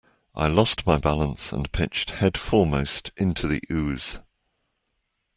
I lost my balance and pitched head foremost into the ooze.